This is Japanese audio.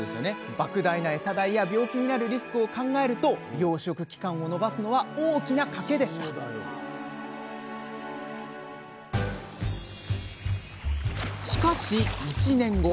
ばく大なエサ代や病気になるリスクを考えると養殖期間を延ばすのは大きな賭けでしたしかし１年後。